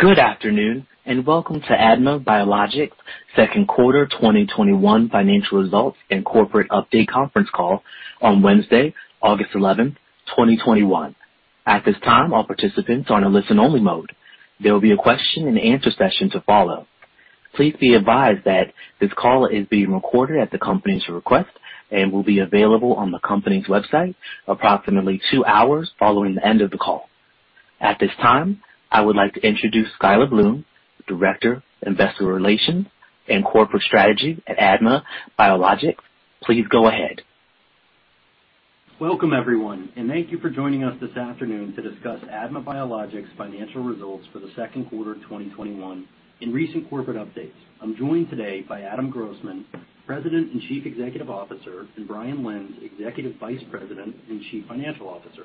Good afternoon, and welcome to ADMA Biologics Q2 2021 financial results and corporate update conference call on Wednesday, August 11, 2021. At this time, all participants are in a listen-only mode. There will be a question and answer session to follow. Please be advised that this call is being recorded at the company's request and will be available on the company's website approximately two hours following the end of the call. At this time, I would like to introduce Skyler Bloom, Director of Investor Relations and Corporate Strategy at ADMA Biologics. Please go ahead. Welcome everyone. Thank you for joining us this afternoon to discuss ADMA Biologics financial results for the Q2 of 2021 and recent corporate updates. I'm joined today by Adam Grossman, President and Chief Executive Officer, and Brian Lenz, Executive Vice President and Chief Financial Officer.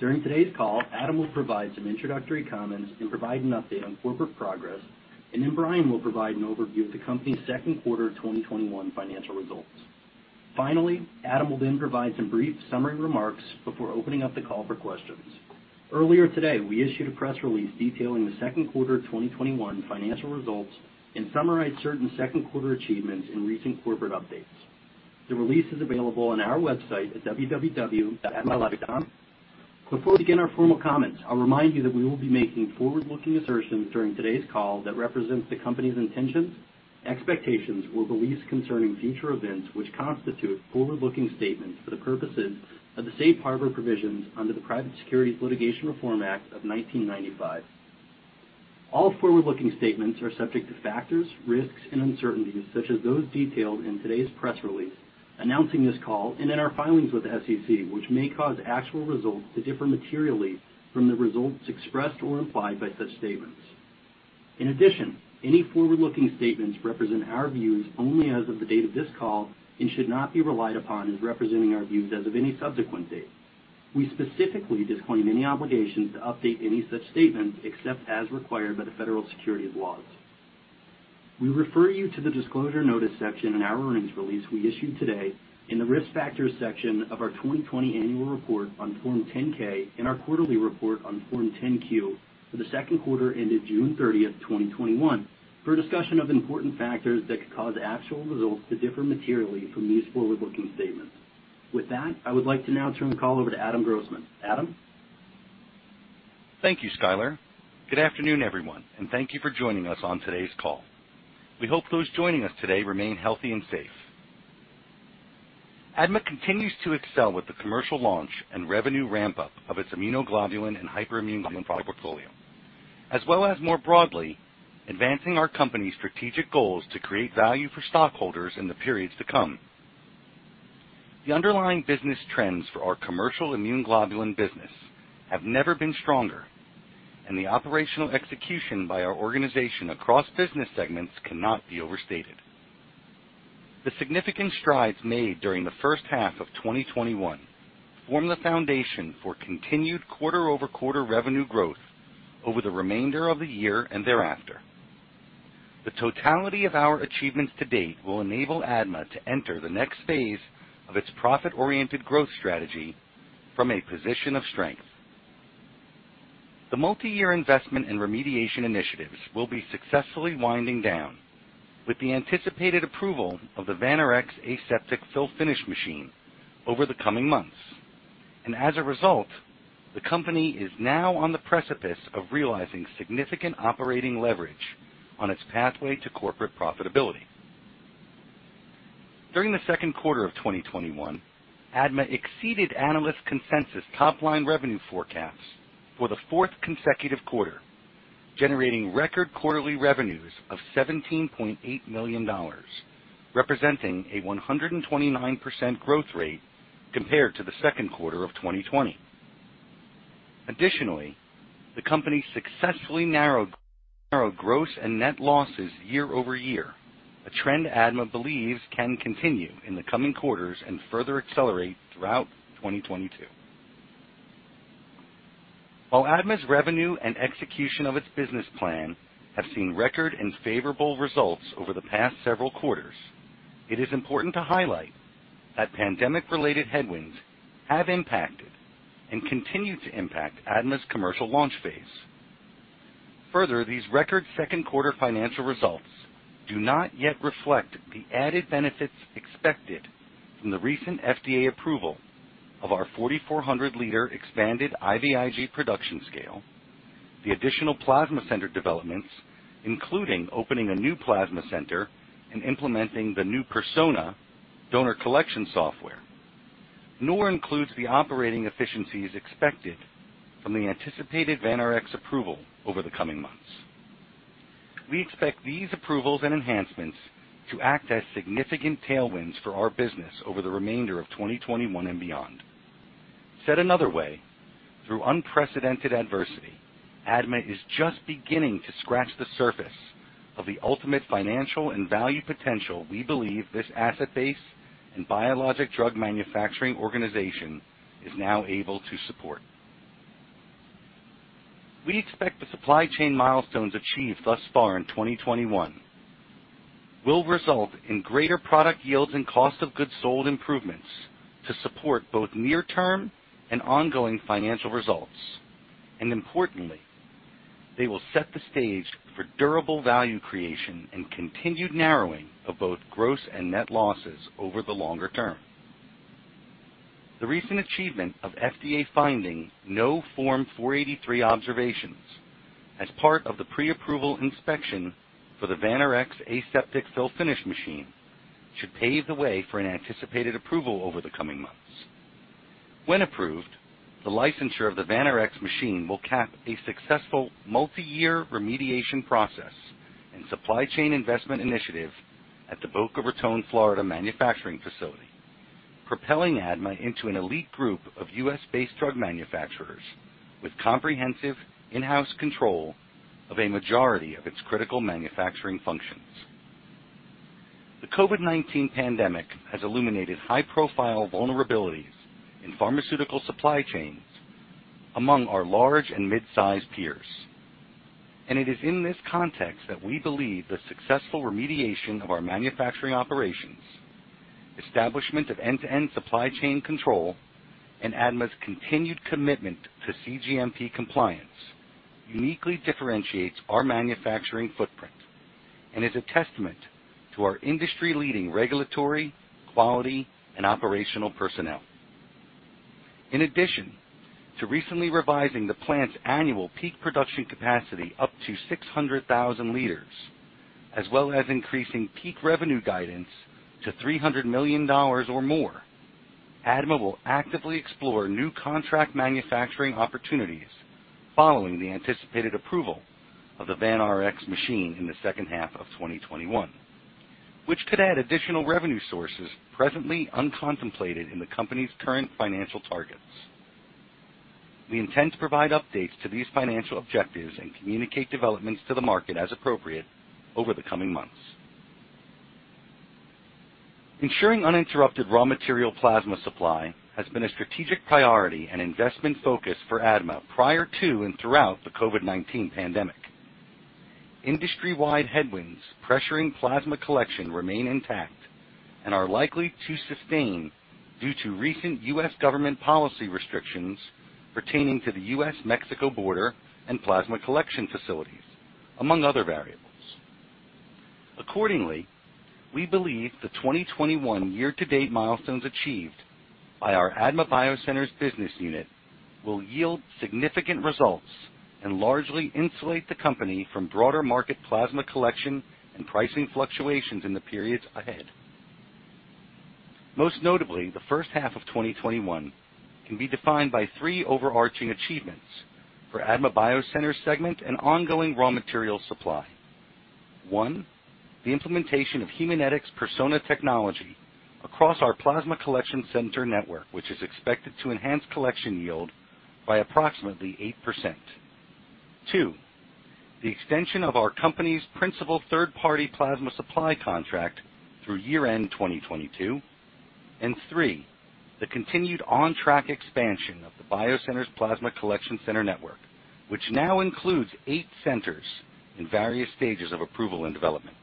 During today's call, Adam will provide some introductory comments and provide an update on corporate progress. Brian will provide an overview of the company's Q2 2021 financial results. Finally, Adam will then provide some brief summary remarks before opening up the call for questions. Earlier today, we issued a press release detailing the Q2 2021 financial results and summarized certain Q2 achievements in recent corporate updates. The release is available on our website at www.admabiologics.com. Before we begin our formal comments, I'll remind you that we will be making forward-looking assertions during today's call that represents the company's intentions, expectations, or beliefs concerning future events, which constitute forward-looking statements for the purposes of the Safe Harbor Provisions under the Private Securities Litigation Reform Act of 1995. All forward-looking statements are subject to factors, risks, and uncertainties, such as those detailed in today's press release announcing this call and in our filings with the SEC, which may cause actual results to differ materially from the results expressed or implied by such statements. In addition, any forward-looking statements represent our views only as of the date of this call and should not be relied upon as representing our views as of any subsequent date. We specifically disclaim any obligations to update any such statements except as required by the federal securities laws. We refer you to the Disclosure Notice section in our earnings release we issued today in the Risk Factors section of our 2020 annual report on Form 10-K, and our quarterly report on Form 10-Q, for the Q2 ended June 30th, 2021 for a discussion of important factors that could cause actual results to differ materially from these forward-looking statements. With that, I would like to now turn the call over to Adam Grossman. Adam? Thank you, Skyler. Good afternoon, everyone, thank you for joining us on today's call. We hope those joining us today remain healthy and safe. ADMA Biologics continues to excel with the commercial launch and revenue ramp-up of its immunoglobulin and hyperimmune globulin product portfolio, as well as more broadly advancing our company's strategic goals to create value for stockholders in the periods to come. The underlying business trends for our commercial immune globulin business have never been stronger, the operational execution by our organization across business segments cannot be overstated. The significant strides made during the H1 of 2021 form the foundation for continued quarter-over-quarter revenue growth over the remainder of the year and thereafter. The totality of our achievements to date will enable ADMA Biologics to enter the next phase of its profit-oriented growth strategy from a position of strength. The multi-year investment and remediation initiatives will be successfully winding down with the anticipated approval of the Vanrx aseptic fill finish machine over the coming months. As a result, the company is now on the precipice of realizing significant operating leverage on its pathway to corporate profitability. During the Q2 of 2021, ADMA exceeded analyst consensus top-line revenue forecasts for the fourth consecutive quarter, generating record quarterly revenues of $17.8 million, representing a 129% growth rate compared to the Q2 of 2020. Additionally, the company successfully narrowed gross and net losses year-over-year, a trend ADMA believes can continue in the coming quarters and further accelerate throughout 2022. While ADMA's revenue and execution of its business plan have seen record and favorable results over the past several quarters, it is important to highlight that pandemic-related headwinds have impacted and continue to impact ADMA's commercial launch phase. These record Q2 financial results do not yet reflect the added benefits expected from the recent FDA approval of our 4,400-L expanded IVIG production scale, the additional plasma center developments, including opening a new plasma center and implementing the new Persona donor collection software, nor includes the operating efficiencies expected from the anticipated Vanrx approval over the coming months. We expect these approvals and enhancements to act as significant tailwinds for our business over the remainder of 2021 and beyond. Said another way, through unprecedented adversity, ADMA is just beginning to scratch the surface of the ultimate financial and value potential we believe this asset base and biologic drug manufacturing organization is now able to support. We expect the supply chain milestones achieved thus far in 2021 will result in greater product yields and cost of goods sold improvements to support both near-term and ongoing financial results. Importantly, they will set the stage for durable value creation and continued narrowing of both gross and net losses over the longer-term. The recent achievement of FDA finding no Form 483 observations as part of the pre-approval inspection for the Vanrx aseptic fill finish machine should pave the way for an anticipated approval over the coming months. When approved, the licensure of the Vanrx machine will cap a successful multi-year remediation process and supply chain investment initiative at the Boca Raton, Florida, manufacturing facility, propelling ADMA into an elite group of U.S.-based drug manufacturers with comprehensive in-house control of a majority of its critical manufacturing functions. The COVID-19 pandemic has illuminated high-profile vulnerabilities in pharmaceutical supply chains among our large and mid-size peers. It is in this context that we believe the successful remediation of our manufacturing operations, establishment of end-to-end supply chain control, and ADMA's continued commitment to CGMP compliance uniquely differentiates our manufacturing footprint and is a testament to our industry-leading regulatory, quality, and operational personnel. In addition to recently revising the plant's annual peak production capacity up to 600,000 L, as well as increasing peak revenue guidance to $300 million or more, ADMA will actively explore new contract manufacturing opportunities following the anticipated approval of the Vanrx machine in the H2 of 2021, which could add additional revenue sources presently uncontemplated in the company's current financial targets. We intend to provide updates to these financial objectives and communicate developments to the market as appropriate over the coming months. Ensuring uninterrupted raw material plasma supply has been a strategic priority and investment focus for ADMA prior to and throughout the COVID-19 pandemic. Industry-wide headwinds pressuring plasma collection remain intact and are likely to sustain due to recent U.S. government policy restrictions pertaining to the U.S.-Mexico border and plasma collection facilities, among other variables. Accordingly, we believe the 2021 year-to-date milestones achieved by our ADMA BioCenters business unit will yield significant results and largely insulate the company from broader market plasma collection and pricing fluctuations in the periods ahead. Most notably, the H1 of 2021 can be defined by three overarching achievements for ADMA BioCenters segment and ongoing raw material supply. One, the implementation of Haemonetics Persona technology across our plasma collection center network, which is expected to enhance collection yield by approximately 8%. Two, the extension of our company's principal third-party plasma supply contract through year-end 2022. Three, the continued on-track expansion of the ADMA BioCenters plasma collection center network, which now includes eight centers in various stages of approval and development.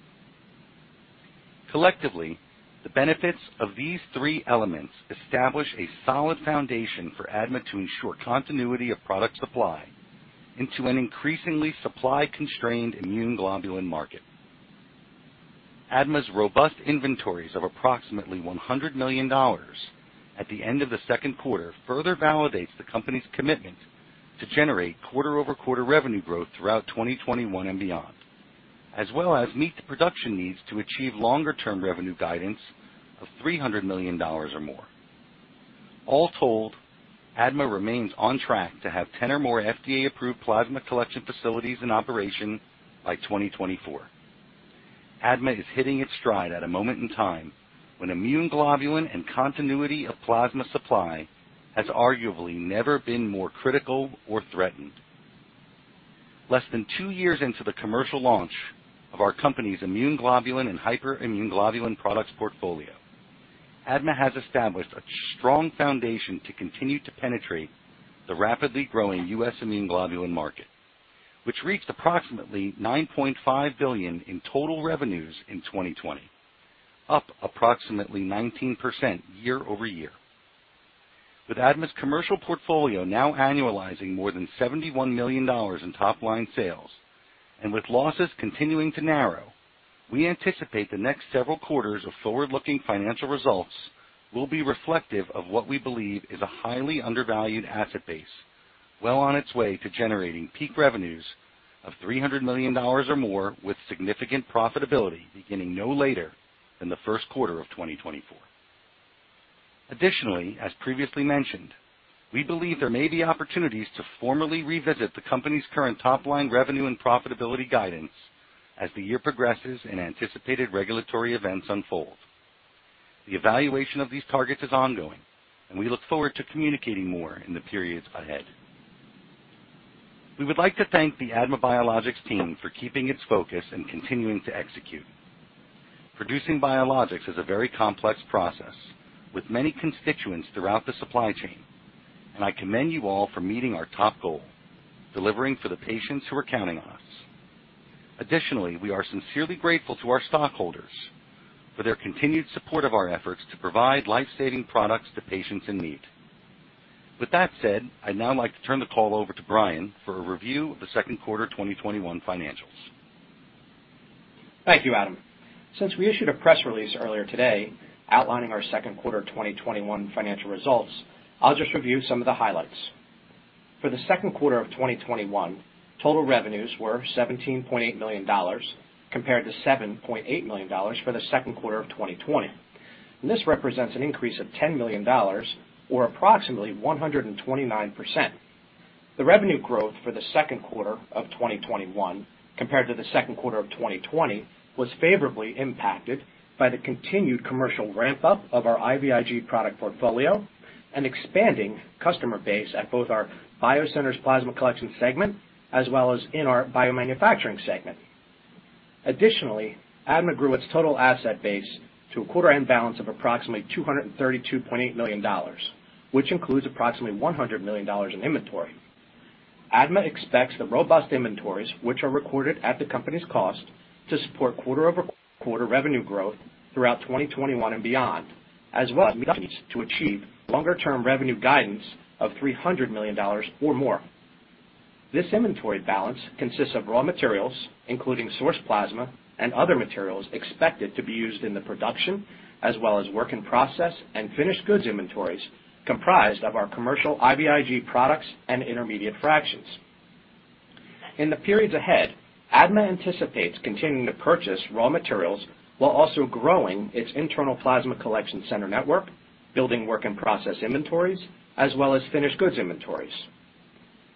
Collectively, the benefits of these three elements establish a solid foundation for ADMA to ensure continuity of product supply into an increasingly supply-constrained immune globulin market. ADMA's robust inventories of approximately $100 million at the end of the Q2 further validates the company's commitment to generate quarter-over-quarter revenue growth throughout 2021 and beyond, as well as meet the production needs to achieve longer-term revenue guidance of $300 million or more. All told, ADMA remains on track to have 10 or more FDA-approved plasma collection facilities in operation by 2024. ADMA is hitting its stride at a moment in time when immune globulin and continuity of plasma supply has arguably never been more critical or threatened. Less than two years into the commercial launch of our company's immune globulin and hyperimmune globulin products portfolio, ADMA has established a strong foundation to continue to penetrate the rapidly growing U.S. immune globulin market, which reached approximately $9.5 billion in total revenues in 2020, up approximately 19% year-over-year. With ADMA's commercial portfolio now annualizing more than $71 million in top-line sales and with losses continuing to narrow, we anticipate the next several quarters of forward-looking financial results will be reflective of what we believe is a highly undervalued asset base well on its way to generating peak revenues of $300 million or more, with significant profitability beginning no later than the Q1 of 2024. Additionally, as previously mentioned, we believe there may be opportunities to formally revisit the company's current top-line revenue and profitability guidance as the year progresses and anticipated regulatory events unfold. The evaluation of these targets is ongoing, and we look forward to communicating more in the periods ahead. We would like to thank the ADMA Biologics team for keeping its focus and continuing to execute. Producing biologics is a very complex process with many constituents throughout the supply chain. I commend you all for meeting our top goal: delivering for the patients who are counting on us. Additionally, we are sincerely grateful to our stockholders for their continued support of our efforts to provide life-saving products to patients in need. With that said, I'd now like to turn the call over to Brian for a review of the Q2 2021 financials. Thank you, Adam. Since we issued a press release earlier today outlining our Q2 2021 financial results, I'll just review some of the highlights. For the Q2 of 2021, total revenues were $17.8 million, compared to $7.8 million for the Q2 of 2020. This represents an increase of $10 million or approximately 129%. The revenue growth for the Q2 of 2021 compared to Q2 of 2020 was favorably impacted by the continued commercial ramp-up of our IVIG product portfolio and expanding customer base at both our BioCenters plasma collection segment as well as in our biomanufacturing segment. ADMA grew its total asset base to a quarter-end balance of approximately $232.8 million, which includes approximately $100 million in inventory. ADMA expects the robust inventories, which are recorded at the company's cost, to support quarter-over-quarter revenue growth throughout 2021 and beyond, as well as meet to achieve longer term revenue guidance of $300 million or more. This inventory balance consists of raw materials, including source plasma and other materials expected to be used in the production, as well as work in process and finished goods inventories comprised of our commercial IVIG products and intermediate fractions. In the periods ahead, ADMA anticipates continuing to purchase raw materials while also growing its internal plasma collection center network, building work in process inventories, as well as finished goods inventories.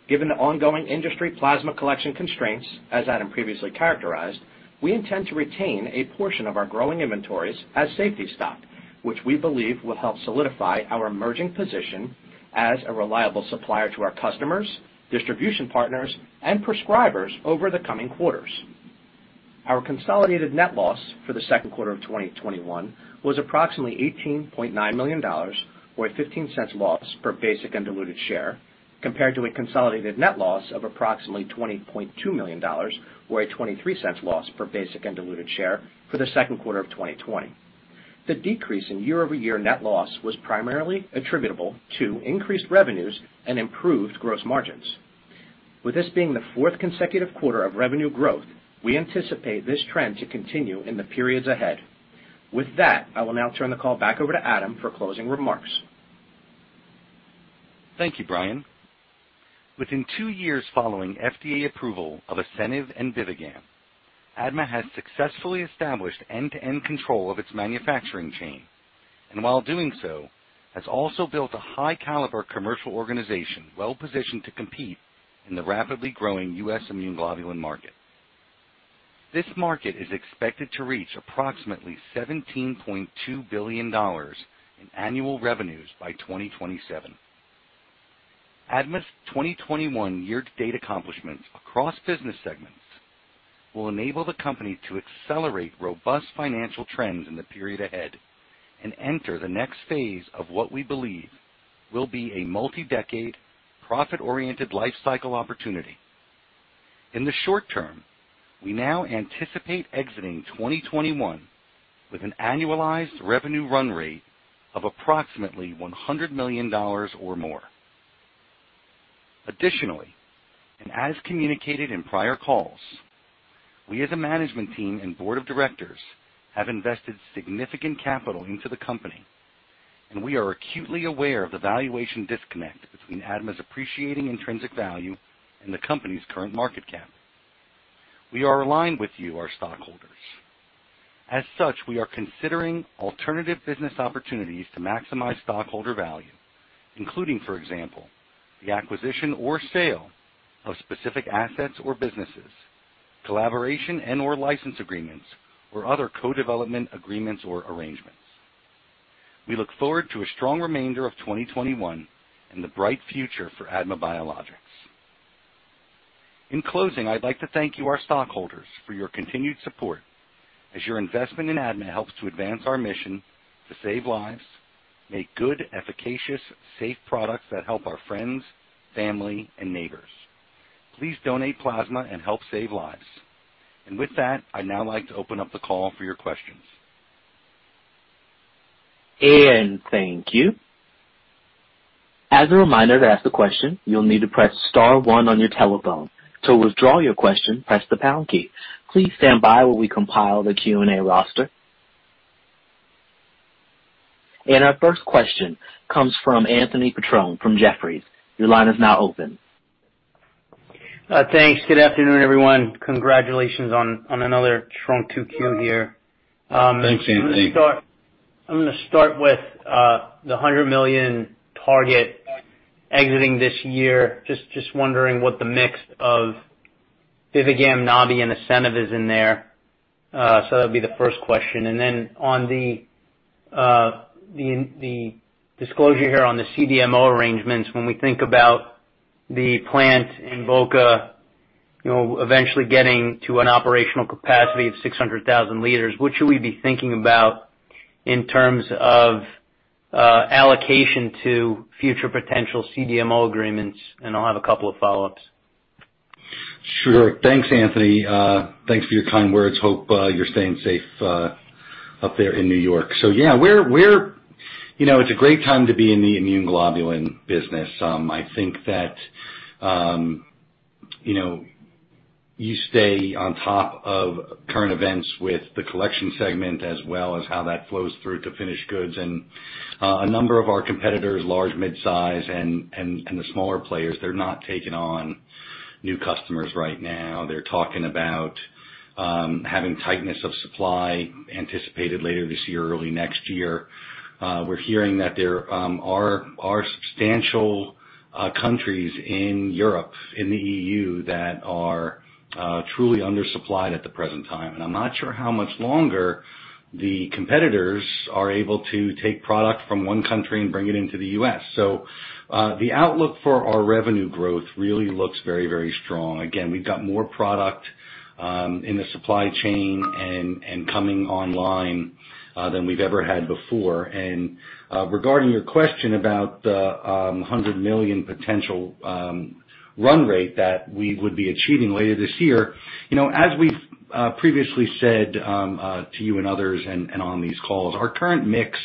Given the ongoing industry plasma collection constraints, as Adam previously characterized, we intend to retain a portion of our growing inventories as safety stock, which we believe will help solidify our emerging position as a reliable supplier to our customers, distribution partners, and prescribers over the coming quarters. Our consolidated net loss for the Q2 of 2021 was approximately $18.9 million, or a $0.15 loss per basic and diluted share, compared to a consolidated net loss of approximately $20.2 million, or a $0.23 loss per basic and diluted share for the Q2 of 2020. The decrease in year-over-year net loss was primarily attributable to increased revenues and improved gross margins. With this being the fourth consecutive quarter of revenue growth, we anticipate this trend to continue in the periods ahead. With that, I will now turn the call back over to Adam for closing remarks. Thank you, Brian. Within two years following FDA approval of ASCENIV and BIVIGAM, ADMA has successfully established end-to-end control of its manufacturing chain. While doing so, has also built a high caliber commercial organization well-positioned to compete in the rapidly growing U.S. immune globulin market. This market is expected to reach approximately $17.2 billion in annual revenues by 2027. ADMA's 2021 year-to-date accomplishments across business segments will enable the company to accelerate robust financial trends in the period ahead and enter the next phase of what we believe will be a multi-decade, profit-oriented life cycle opportunity. In the short-term, we now anticipate exiting 2021 with an annualized revenue run rate of approximately $100 million or more. Additionally, and as communicated in prior calls, we as a management team and board of directors have invested significant capital into the company, and we are acutely aware of the valuation disconnect between ADMA's appreciating intrinsic value and the company's current market cap. We are aligned with you, our stockholders. As such, we are considering alternative business opportunities to maximize stockholder value, including, for example, the acquisition or sale of specific assets or businesses, collaboration and/or license agreements, or other co-development agreements or arrangements. We look forward to a strong remainder of 2021 and the bright future for ADMA Biologics. In closing, I'd like to thank you, our stockholders, for your continued support, as your investment in ADMA helps to advance our mission to save lives, make good, efficacious, safe products that help our friends, family, and neighbors. Please donate plasma and help save lives. With that, I'd now like to open up the call for your questions. Thank you. As a reminder, to ask a question, you'll need to press star one on your telephone. To withdraw your question, press the pound key. Please stand by while we compile the Q&A roster. Our first question comes from Anthony Petrone from Jefferies. Your line is now open. Thanks. Good afternoon, everyone. Congratulations on another strong Q2 here. Thanks, Anthony. I'm going to start with the $100 million target exiting this year. Just wondering what the mix of BIVIGAM, Nabi-HB, and ASCENIV is in there. That'll be the first question. On the disclosure here on the CDMO arrangements, when we think about the plant in Boca eventually getting to an operational capacity of 600,000 L, what should we be thinking about in terms of allocation to future potential CDMO agreements? I'll have a couple of follow-ups. Sure. Thanks, Anthony. Thanks for your kind words. Hope you're staying safe up there in New York. Yeah, it's a great time to be in the immune globulin business. I think that you stay on top of current events with the collection segment, as well as how that flows through to finished goods. A number of our competitors, large, mid-size, and the smaller players, they're not taking on new customers right now. They're talking about having tightness of supply anticipated later this year, early next year. We're hearing that there are substantial countries in Europe, in the EU, that are truly undersupplied at the present time. I'm not sure how much longer the competitors are able to take product from one country and bring it into the U.S. The outlook for our revenue growth really looks very strong. We've got more product in the supply chain and coming online than we've ever had before. Regarding your question about the $100 million potential run rate that we would be achieving later this year, as we've previously said to you and others and on these calls, our current mix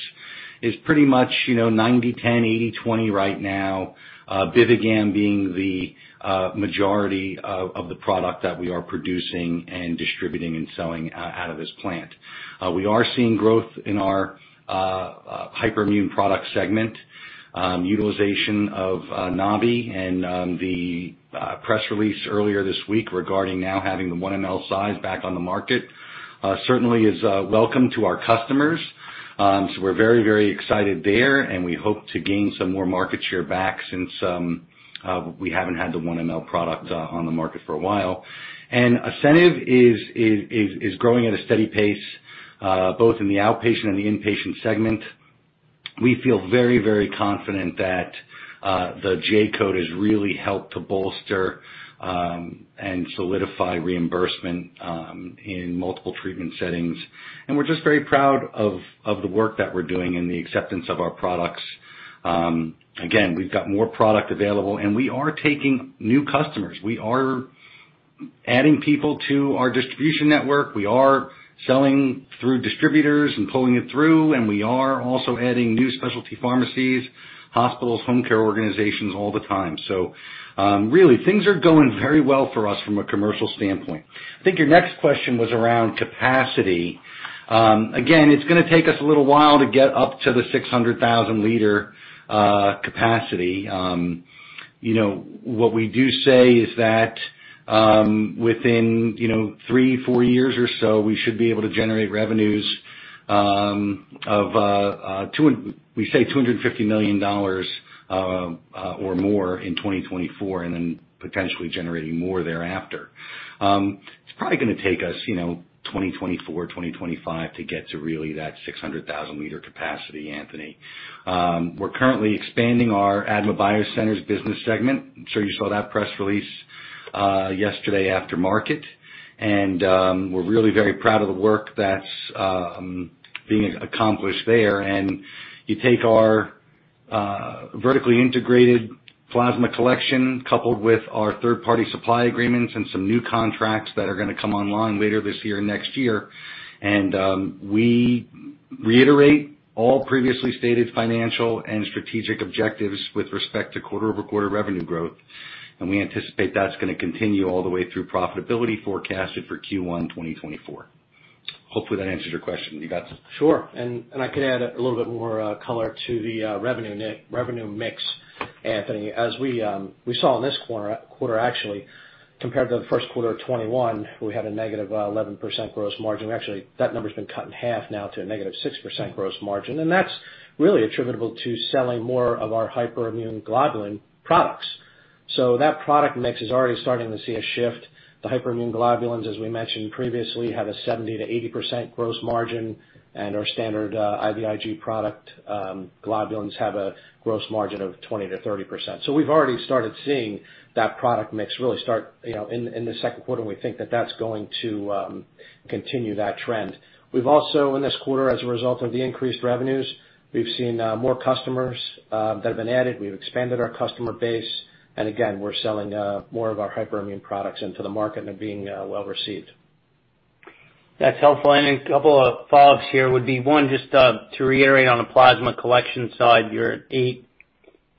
is pretty much 90/10, 80/20 right now. BIVIGAM being the majority of the product that we are producing and distributing and selling out of this plant. We are seeing growth in our hyperimmune product segment. Utilization of Nabi-HB and the press release earlier this week regarding now having the 1 ml size back on the market certainly is welcome to our customers. We're very excited there, and we hope to gain some more market share back since we haven't had the 1 ml product on the market for a while. ASCENIV is growing at a steady pace both in the outpatient and the inpatient segment. We feel very confident that the J-code has really helped to bolster and solidify reimbursement in multiple treatment settings. We're just very proud of the work that we're doing and the acceptance of our products. Again, we've got more product available and we are taking new customers. We are adding people to our distribution network. We are selling through distributors and pulling it through, and we are also adding new specialty pharmacies, hospitals, home care organizations all the time. Really, things are going very well for us from a commercial standpoint. I think your next question was around capacity. Again, it's going to take us a little while to get up to the 600,000-L capacity. What we do say is that within three, four years or so, we should be able to generate revenues of $250 million or more in 2024. Potentially generating more thereafter. It's probably going to take us 2024, 2025 to get to really that 600,000-L capacity, Anthony. We're currently expanding our ADMA BioCenters business segment. I'm sure you saw that press release yesterday after market. We're really very proud of the work that's being accomplished there. You take our vertically integrated plasma collection coupled with our third-party supply agreements and some new contracts that are going to come online later this year and next year. We reiterate all previously stated financial and strategic objectives with respect to quarter-over-quarter revenue growth. We anticipate that's going to continue all the way through profitability forecasted for Q1 2024. Hopefully that answers your question. You got it? Sure. I could add a little bit more color to the revenue mix, Anthony. As we saw in this quarter actually, compared to the Q1 of 2021, we had a negative 11% gross margin. That number's been cut in half now to a negative 6% gross margin. That's really attributable to selling more of our hyperimmune globulin products. That product mix is already starting to see a shift. The hyperimmune globulins, as we mentioned previously, have a 70%-80% gross margin, and our standard IVIG product globulins have a gross margin of 20%-30%. We've already started seeing that product mix really start in the Q2, and we think that that's going to continue that trend. We've also, in this quarter, as a result of the increased revenues, we've seen more customers that have been added. We've expanded our customer base. Again, we're selling more of our hyperimmune products into the market, and they're being well received. That's helpful. A couple of follow-ups here would be, one, just to reiterate on the plasma collection side. You're in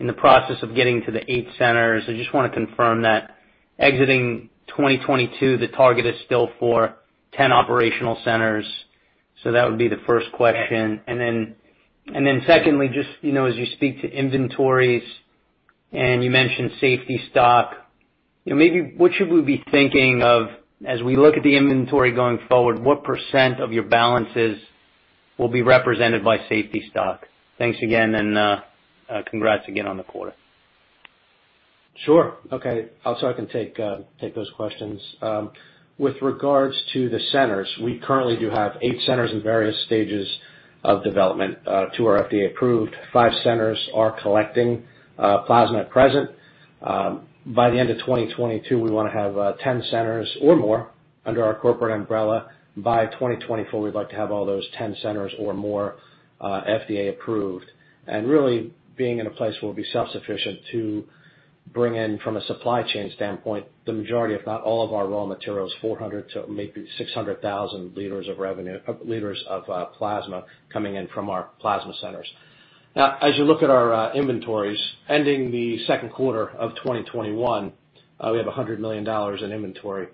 the process of getting to the eight centers. I just want to confirm that exiting 2022, the target is still for 10 operational centers. That would be the first question. Yes. Secondly, just as you speak to inventories and you mentioned safety stock, maybe what should we be thinking of as we look at the inventory going forward? What percent of your balances will be represented by safety stock? Thanks again, and congrats again on the quarter. Sure. Okay. I'll talk and take those questions. With regards to the centers, we currently do have eight centers in various stages of development. Two are FDA approved. Five centers are collecting plasma at present. By the end of 2022, we want to have 10 centers or more under our corporate umbrella. By 2024, we'd like to have all those 10 centers or more FDA approved. Really being in a place where we'll be self-sufficient to bring in, from a supply chain standpoint, the majority if not all of our raw materials, 400,000 to maybe 600,000 L of plasma coming in from our plasma centers. Now, as you look at our inventories ending the Q2 of 2021, we have $100 million in inventory.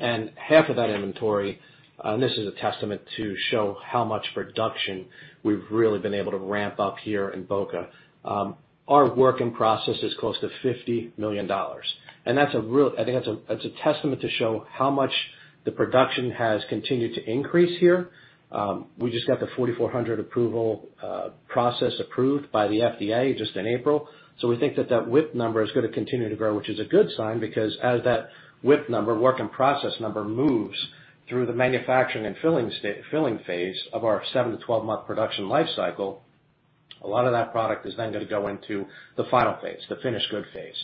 Half of that inventory, and this is a testament to show how much production we've really been able to ramp up here in Boca. Our work in process is close to $50 million. I think that's a testament to show how much the production has continued to increase here. We just got the 4,400 approval process approved by the FDA just in April. We think that that WIP number is going to continue to grow, which is a good sign because as that WIP number, work in process number, moves through the manufacturing and filling phase of our seven-12-month production life cycle, a lot of that product is then going to go into the final phase, the finished good phase.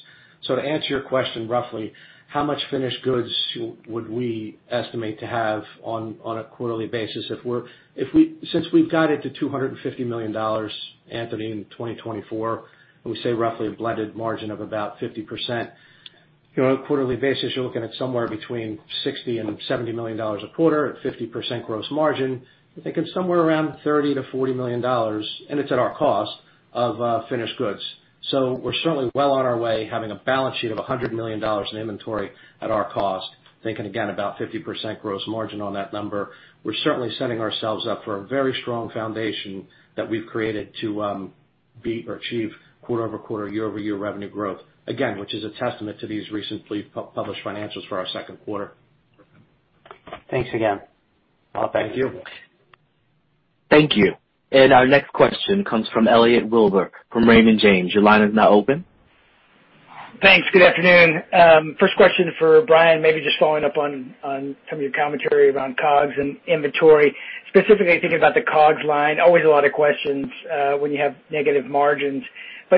To answer your question, roughly how much finished goods would we estimate to have on a quarterly basis? Since we've guided to $250 million, Anthony, in 2024, and we say roughly a blended margin of about 50%, on a quarterly basis, you're looking at somewhere between $60 million and $70 million a quarter at 50% gross margin. I'm thinking somewhere around $30 million-$40 million, and it's at our cost, of finished goods. We're certainly well on our way, having a balance sheet of $100 million in inventory at our cost, thinking again about 50% gross margin on that number. We're certainly setting ourselves up for a very strong foundation that we've created to beat or achieve quarter-over-quarter, year-over-year revenue growth. Again, which is a testament to these recently published financials for our Q2. Thanks again. Thank you. Thank you. Our next question comes from Elliot Wilbur from Raymond James. Your line is now open. Thanks. Good afternoon. First question for Brian, maybe just following up on some of your commentary around COGS and inventory. Specifically thinking about the COGS line, always a lot of questions when you have negative margins.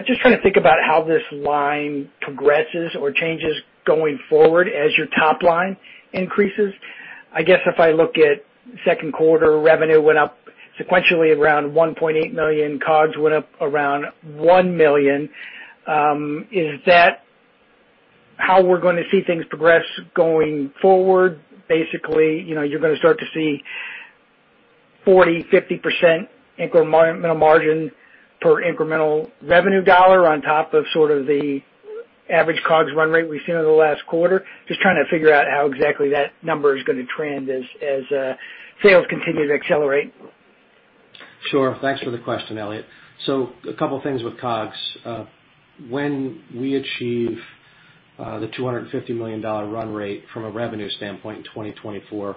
Just trying to think about how this line progresses or changes going forward as your top line increases. I guess if I look at Q2 revenue went up sequentially around $1.8 million, COGS went up around $1 million. Is that how we're going to see things progress going forward? Basically, you're going to start to see 40%-50% incremental margin per incremental revenue dollar on top of sort of the average COGS run rate we've seen over the last quarter? Just trying to figure out how exactly that number is going to trend as sales continue to accelerate. Sure. Thanks for the question, Elliot. A couple things with COGS. When we achieve the $250 million run rate from a revenue standpoint in 2024,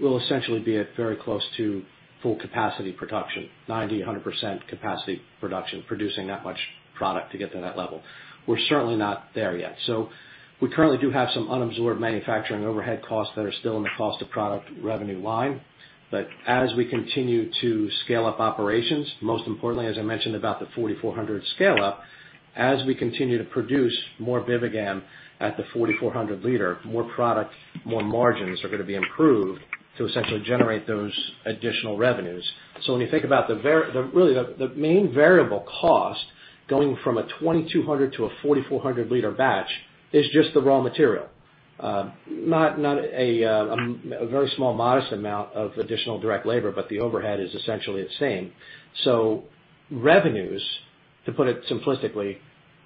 we'll essentially be at very close to full capacity production, 90%-100% capacity production, producing that much product to get to that level. We're certainly not there yet. We currently do have some unabsorbed manufacturing overhead costs that are still in the cost of product revenue line. As we continue to scale up operations, most importantly, as I mentioned about the 4,400 scale up, as we continue to produce more BIVIGAM at the 4,400 L, more product, more margins are going to be improved to essentially generate those additional revenues. When you think about the main variable cost going from a 2,200 to a 4,400 L batch is just the raw material. A very small modest amount of additional direct labor, the overhead is essentially the same. Revenues, to put it simplistically,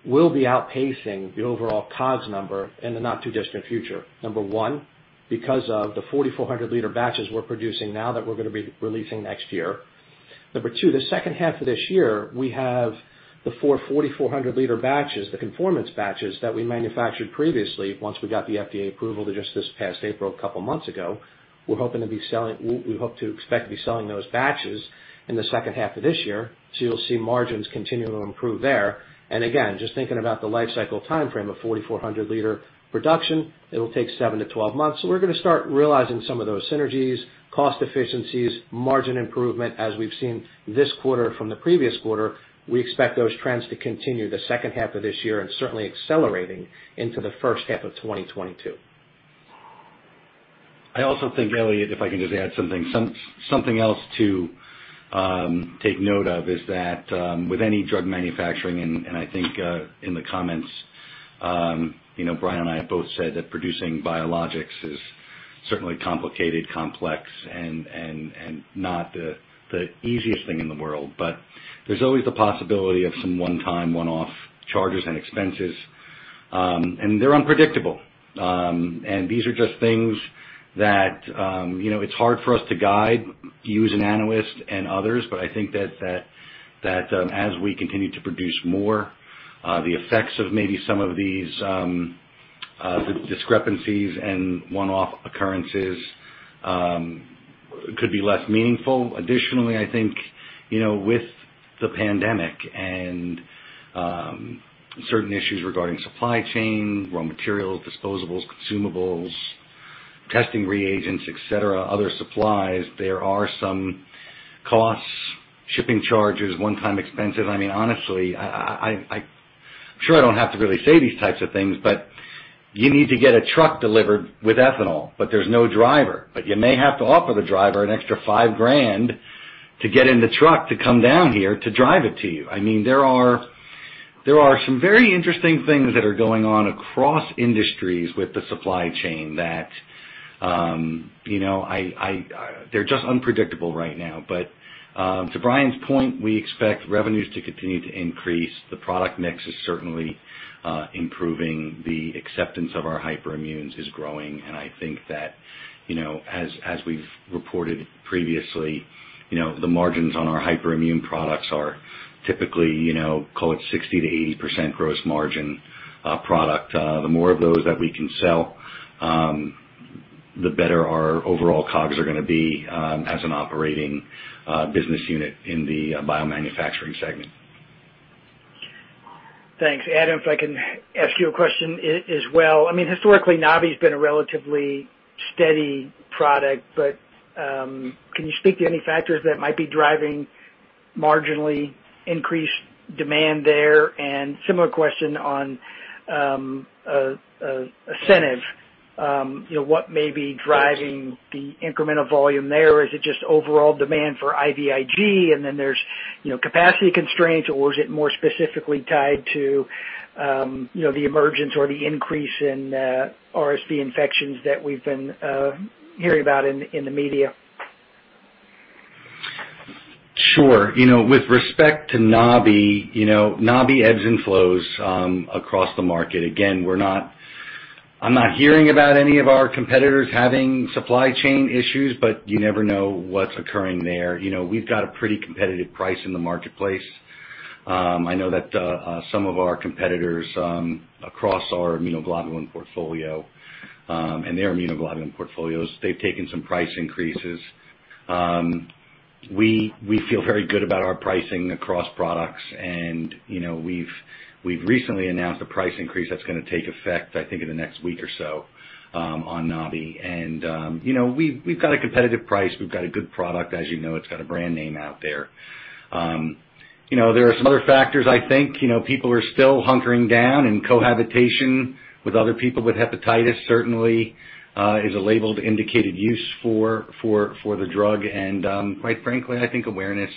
will be outpacing the overall COGS number in the not too distant future. Number one, because of the 4,400 L batches we're producing now that we're going to be releasing next year. Number two, the H2 of this year, we have the 4 4,400 L batches, the conformance batches that we manufactured previously once we got the FDA approval to just this past April, a couple months ago. We hope to expect to be selling those batches in the H2 of this year. You'll see margins continuing to improve there. Again, just thinking about the life cycle timeframe of 4,400 L production, it'll take seven-12 months. We're going to start realizing some of those synergies, cost efficiencies, margin improvement as we've seen this quarter from the previous quarter. We expect those trends to continue the H2 of this year and certainly accelerating into the H1 of 2022. I also think Elliot, if I can just add something. Something else to take note of is that with any drug manufacturing and I think in the comments Brian and I have both said that producing biologics is certainly complicated, complex and not the easiest thing in the world. There's always the possibility of some one-time, one-off charges and expenses, and they're unpredictable. These are just things that it's hard for us to guide you as an analyst and others, but I think that as we continue to produce more, the effects of maybe some of these discrepancies and one-off occurrences could be less meaningful. Additionally, I think with the pandemic and certain issues regarding supply chain, raw materials, disposables, consumables, testing reagents, et cetera, other supplies, there are some costs, shipping charges, one-time expenses. Honestly, I'm sure I don't have to really say these types of things, you need to get a truck delivered with ethanol, there's no driver. You may have to offer the driver an extra five grand to get in the truck to come down here to drive it to you. There are some very interesting things that are going on across industries with the supply chain that they're just unpredictable right now. To Brian's point, we expect revenues to continue to increase. The product mix is certainly improving. The acceptance of our hyperimmunes is growing. I think that, as we've reported previously, the margins on our hyperimmune products are typically, call it 60%-80% gross margin product. The more of those that we can sell, the better our overall COGS are going to be as an operating business unit in the biomanufacturing segment. Thanks. Adam, if I can ask you a question as well. Historically, Nabi-HB's been a relatively steady product, but can you speak to any factors that might be driving marginally increased demand there? Similar question on ASCENIV. What may be driving the incremental volume there? Is it just overall demand for IVIG and then there's capacity constraints or is it more specifically tied to the emergence or the increase in RSV infections that we've been hearing about in the media? Sure. With respect to Nabi ebbs and flows across the market. I'm not hearing about any of our competitors having supply chain issues, but you never know what's occurring there. We've got a pretty competitive price in the marketplace. I know that some of our competitors across our immunoglobulin portfolio, and their immunoglobulin portfolios, they've taken some price increases. We feel very good about our pricing across products, and we've recently announced a price increase that's going to take effect, I think, in the next week or so on NABI. We've got a competitive price. We've got a good product. As you know, it's got a brand name out there. There are some other factors, I think. People are still hunkering down in cohabitation with other people with hepatitis certainly is a labeled indicated use for the drug. Quite frankly, I think awareness,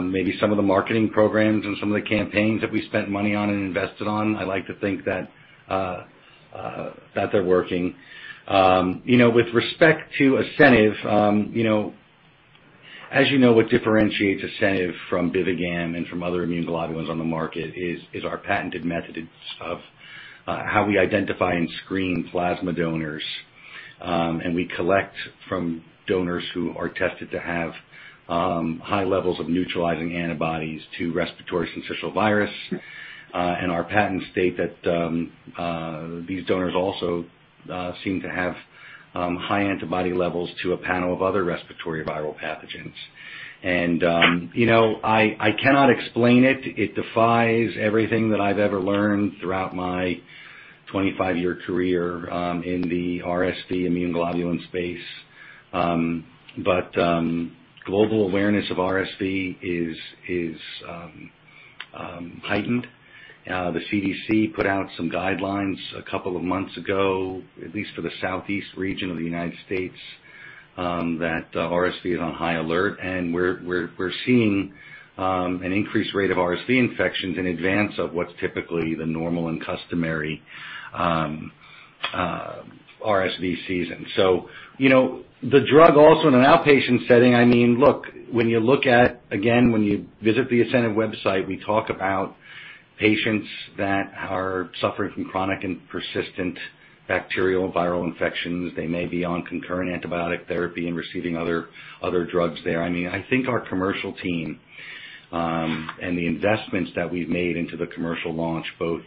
maybe some of the marketing programs and some of the campaigns that we spent money on and invested on, I like to think that they're working. With respect to ASCENIV, as you know, what differentiates ASCENIV from BIVIGAM and from other immunoglobulins on the market is our patented methods of how we identify and screen plasma donors. We collect from donors who are tested to have high levels of neutralizing antibodies to respiratory syncytial virus. Our patents state that these donors also seem to have high antibody levels to a panel of other respiratory viral pathogens. I cannot explain it. It defies everything that I've ever learned throughout my 25-year career in the RSV immunoglobulin space. Global awareness of RSV is heightened. The CDC put out some guidelines a couple of months ago, at least for the southeast region of the U.S., that RSV is on high alert. We're seeing an increased rate of RSV infections in advance of what's typically the normal and customary RSV season. The drug also in an outpatient setting, when you look at, again, when you visit the ASCENIV website, we talk about patients that are suffering from chronic and persistent bacterial and viral infections. They may be on concurrent antibiotic therapy and receiving other drugs there. I think our commercial team and the investments that we've made into the commercial launch, both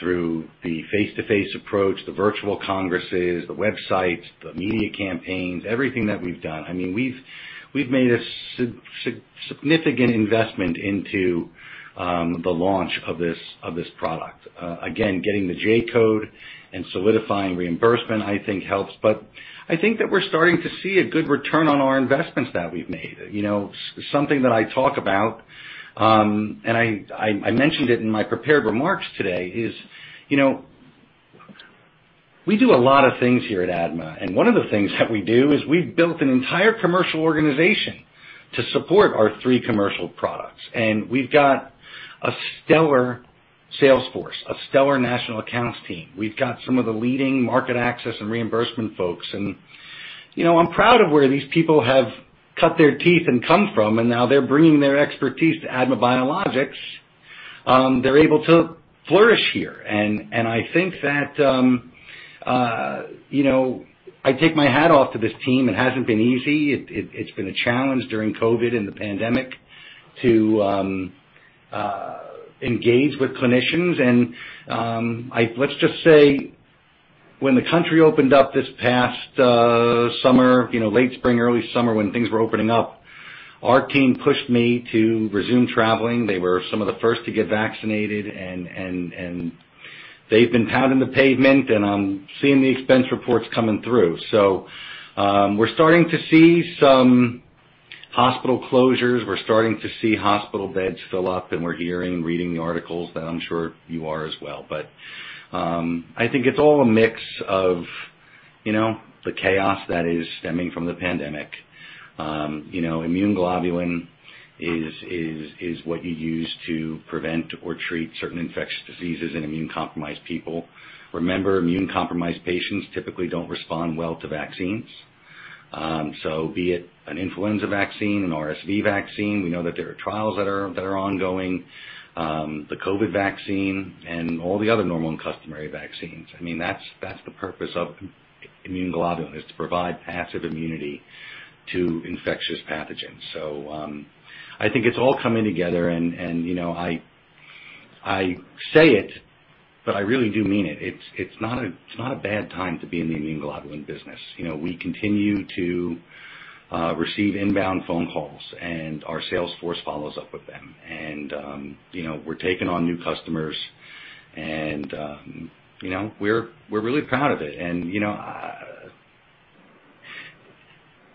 through the face-to-face approach, the virtual congresses, the websites, the media campaigns, everything that we've done. We've made a significant investment into the launch of this product. Again, getting the J-code and solidifying reimbursement, I think helps. I think that we're starting to see a good return on our investments that we've made. Something that I talk about, and I mentioned it in my prepared remarks today, is we do a lot of things here at ADMA, and one of the things that we do is we've built an entire commercial organization to support our three commercial products. We've got a stellar sales force, a stellar national accounts team. We've got some of the leading market access and reimbursement folks, and I'm proud of where these people have cut their teeth and come from, and now they're bringing their expertise to ADMA Biologics. They're able to flourish here. I think that I take my hat off to this team. It hasn't been easy. It's been a challenge during COVID-19 and the pandemic to engage with clinicians. Let's just say when the country opened up this past summer, late spring, early summer, when things were opening up. Our team pushed me to resume traveling. They were some of the first to get vaccinated, and they've been pounding the pavement, and I'm seeing the expense reports coming through. We're starting to see some hospital closures. We're starting to see hospital beds fill up, and we're hearing and reading the articles that I'm sure you are as well. I think it's all a mix of the chaos that is stemming from the pandemic. Immune globulin is what you use to prevent or treat certain infectious diseases in immune-compromised people. Remember, immune-compromised patients typically don't respond well to vaccines. Be it an influenza vaccine, an RSV vaccine, we know that there are trials that are ongoing, the COVID vaccine, and all the other normal and customary vaccines. That's the purpose of immune globulin, is to provide passive immunity to infectious pathogens. I think it's all coming together, and I say it, but I really do mean it. It's not a bad time to be in the immune globulin business. We continue to receive inbound phone calls, and our sales force follows up with them. We're taking on new customers and we're really proud of it.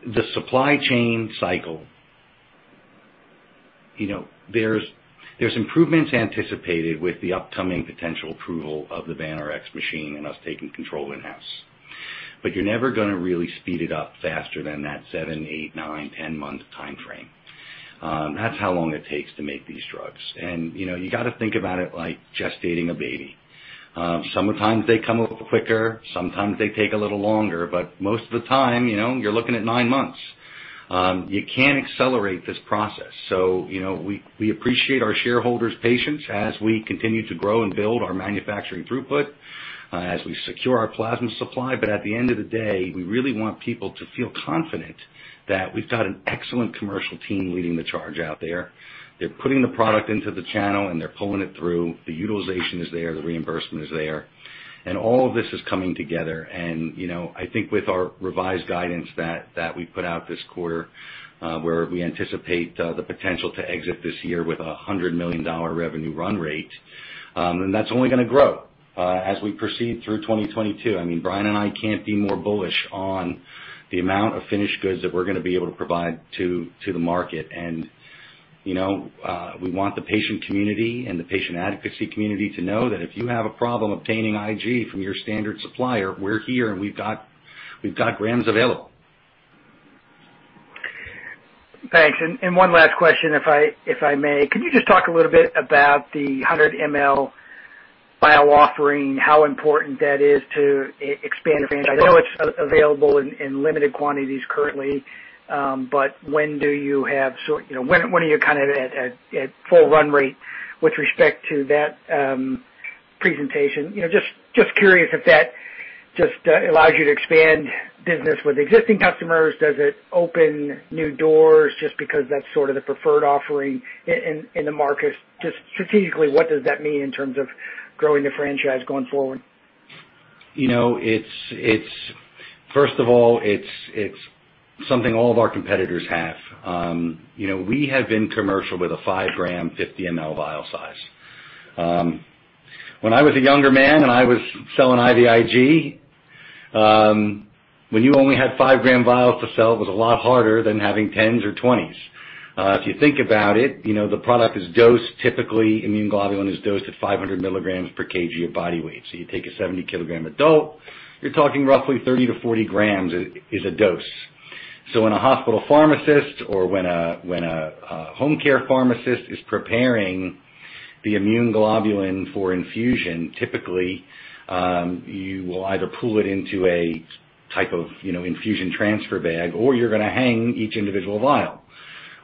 The supply chain cycle, there's improvements anticipated with the upcoming potential approval of the Vanrx machine and us taking control in-house. You're never going to really speed it up faster than that seven, eight, nine, 10-month timeframe. That's how long it takes to make these drugs. You got to think about it like gestating a baby. Sometimes they come a little quicker, sometimes they take a little longer, but most of the time, you're looking at nine months. You can't accelerate this process. We appreciate our shareholders' patience as we continue to grow and build our manufacturing throughput, as we secure our plasma supply. At the end of the day, we really want people to feel confident that we've got an excellent commercial team leading the charge out there. They're putting the product into the channel and they're pulling it through. The utilization is there, the reimbursement is there, and all of this is coming together. I think with our revised guidance that we put out this quarter, where we anticipate the potential to exit this year with a $100 million revenue run rate, and that's only going to grow as we proceed through 2022. Brian and I can't be more bullish on the amount of finished goods that we're going to be able to provide to the market. We want the patient community and the patient advocacy community to know that if you have a problem obtaining IG from your standard supplier, we're here and we've got grams available. Thanks. One last question, if I may. Could you just talk a little bit about the 100 ml vial offering, how important that is to expand the franchise? I know it's available in limited quantities currently. When are you at full run rate with respect to that presentation? Just curious if that just allows you to expand business with existing customers. Does it open new doors just because that's sort of the preferred offering in the market? Just strategically, what does that mean in terms of growing the franchise going forward? First of all, it's something all of our competitors have. We have been commercial with a 5-g, 50 ml vial size. When I was a younger man and I was selling IVIG, when you only had 5-g vials to sell, it was a lot harder than having 10s or 20s. If you think about it, the product is dosed, typically immune globulin is dosed at 500 mg per kg of body weight. You take a 70-kg adult, you're talking roughly 30-40 g is a dose. When a hospital pharmacist or when a home care pharmacist is preparing the immune globulin for infusion, typically, you will either pool it into a type of infusion transfer bag, or you're going to hang each individual vial.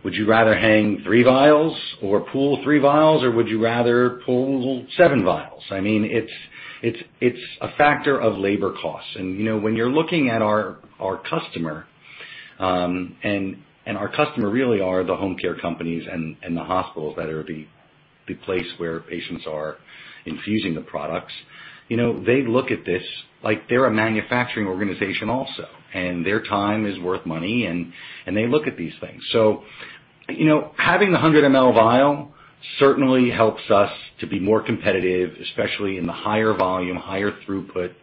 Would you rather hang three vials or pool three vials, or would you rather pool seven vials? It's a factor of labor costs. When you're looking at our customer, our customer really are the home care companies and the hospitals that are the place where patients are infusing the products. They look at this like they're a manufacturing organization also, and their time is worth money, and they look at these things. Having the 100 ml vial certainly helps us to be more competitive, especially in the higher volume, higher throughput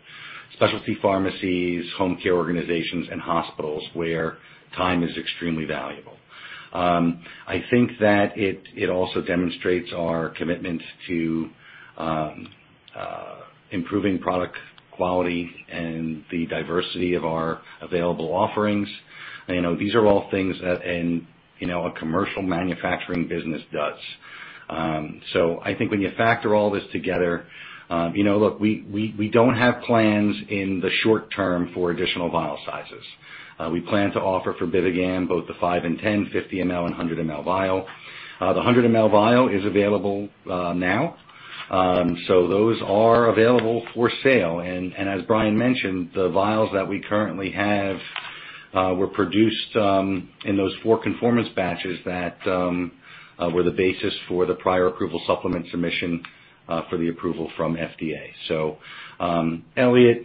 specialty pharmacies, home care organizations, and hospitals where time is extremely valuable. I think that it also demonstrates our commitment to improving product quality and the diversity of our available offerings. These are all things a commercial manufacturing business does. I think when you factor all this together, look, we don't have plans in the short term for additional vial sizes. We plan to offer for BIVIGAM, both the five and 10, 50 ml and 100 ml vial. The 100 ml vial is available now. Those are available for sale. As Brian mentioned, the vials that we currently have were produced in those four conformance batches that were the basis for the prior approval supplement submission for the approval from FDA. Elliot,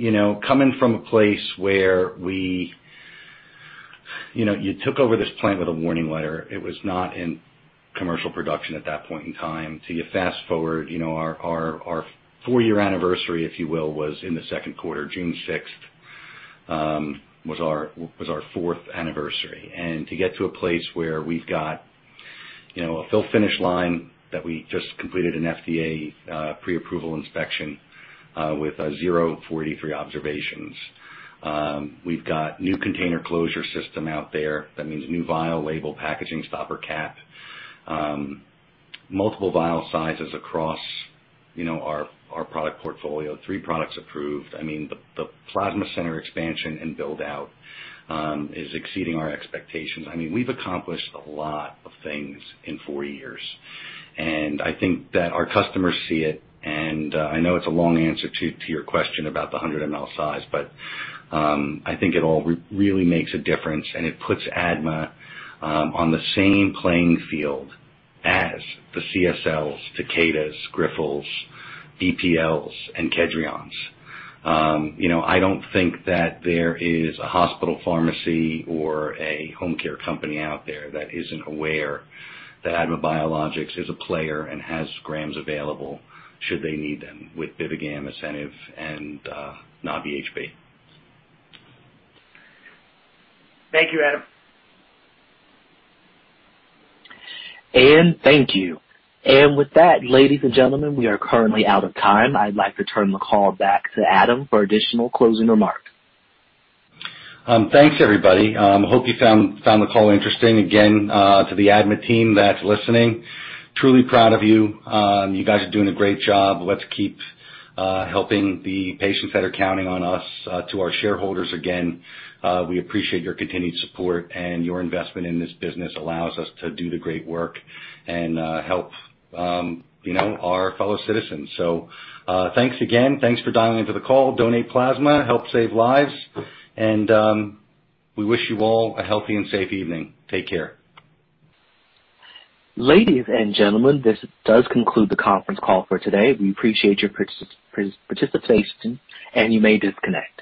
coming from a place where you took over this plant with a warning letter. It was not in commercial production at that point in time. You fast-forward, our four-year anniversary, if you will, was in the Q2, June 6th, was our fourth anniversary. To get to a place where we've got a fill finish line that we just completed an FDA pre-approval inspection with zero 483 observations. We've got new container closure system out there. That means new vial label packaging stopper cap. Multiple vial sizes across our product portfolio, three products approved. The plasma center expansion and build-out is exceeding our expectations. We've accomplished a lot of things in four years. I think that our customers see it. I know it's a long answer to your question about the 100 ml size, but I think it all really makes a difference, and it puts ADMA on the same playing field as the CSLs, Takeda's, Grifols, BPLs, and Kedrion's. I don't think that there is a hospital pharmacy or a home care company out there that isn't aware that ADMA Biologics is a player and has grams available should they need them with BIVIGAM, ASCENIV, and NABI-HB. Thank you, Adam. Elliot, thank you. With that, ladies and gentlemen, we are currently out of time. I'd like to turn the call back to Adam for additional closing remarks. Thanks, everybody. Hope you found the call interesting. To the ADMA team that's listening, truly proud of you. You guys are doing a great job. Let's keep helping the patients that are counting on us. To our shareholders, again, we appreciate your continued support and your investment in this business allows us to do the great work and help our fellow citizens. Thanks again. Thanks for dialing into the call. Donate plasma, help save lives, and we wish you all a healthy and safe evening. Take care. Ladies and gentlemen, this does conclude the conference call for today. We appreciate your participation, and you may disconnect.